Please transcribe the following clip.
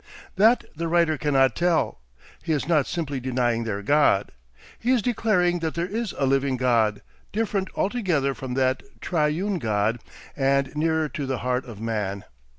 That the writer cannot tell. He is not simply denying their God. He is declaring that there is a living God, different altogether from that Triune God and nearer to the heart of man.